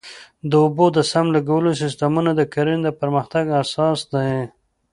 د اوبو د سم لګولو سیستمونه د کرنې د پرمختګ اساس دی.